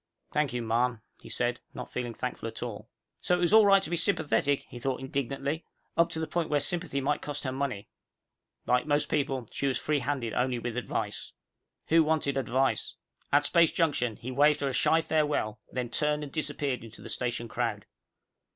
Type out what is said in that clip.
"Thank you, ma'am," he said, not feeling thankful at all. So it was all right to be sympathetic, he thought indignantly, up to the point where sympathy might cost her money. Like most people, she was free handed only with advice. Who wanted advice? At Space Junction he waved her a shy farewell, and then turned and disappeared into the station crowd.